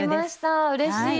うれしい。